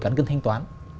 các ngân hàng nhà nước